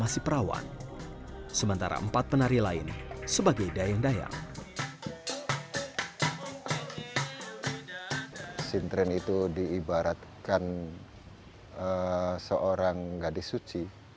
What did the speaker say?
sin tren itu diibaratkan seorang gadis suci